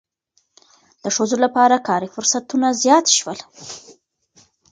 د ښځو لپاره کاري فرصتونه زیات شول.